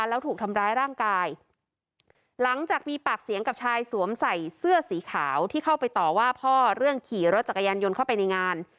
แล้วถูกทำร้ายร่างกายหลังจากมีปากเสียงกับชายสวมใส่เสื้อสีขาวที่เข้าไปต่อว่าพ่อเรื่องขี่รถจักรยานยนต์เข้าไปในงาน